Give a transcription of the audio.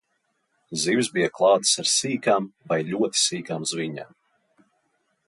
Zivis bija klātas ar sīkām vai ļoti sīkām zvīņām.